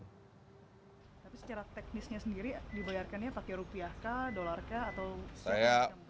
tapi secara teknisnya sendiri dibayarkannya pakai rupiah kah dolar kah atau siapa